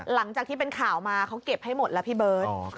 หลังจากที่เป็นข่าวมาเขาเก็บให้หมดแล้วพี่เบิร์ต